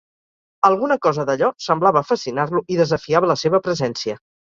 Alguna cosa d'allò semblava fascinar-lo i desafiava la seva presència.